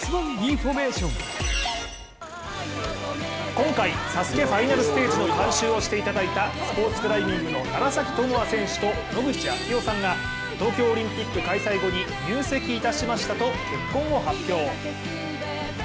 今回ＳＡＳＵＫＥファイナルステージの監修をしていただいたスポーツクライミングの楢崎智亜選手と野口啓代さんが東京オリンピック開催後に、入籍いたしましたと結婚を発表。